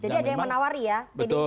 jadi ada yang menawari ya pdip menawari